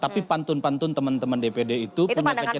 tapi pantun pantun teman teman dpd itu punya kecewaan